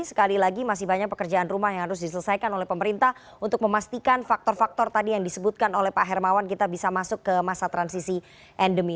sekali lagi masih banyak pekerjaan rumah yang harus diselesaikan oleh pemerintah untuk memastikan faktor faktor tadi yang disebutkan oleh pak hermawan kita bisa masuk ke masa transisi endemi